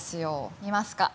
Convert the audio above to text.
見ますか。